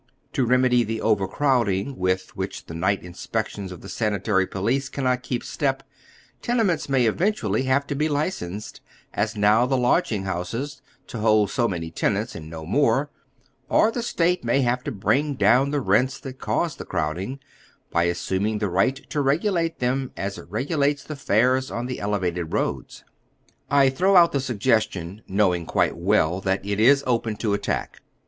To remedy the overcrowd ing, with which the night inspections of tlie sanitary police cannot keep step, tenements may eventually have to be licensed, as now the lodging houses, to liold so many tenants, and no more; or the State may have to bring down the rents that cause the crowding, by assuming the right to regulate them as it regulates the fares on the elevated roads, I throw out the suggestion, knowing quite well that it is open to attack.